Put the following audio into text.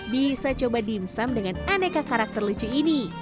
bisa coba dimsum dengan aneka karakter lucu ini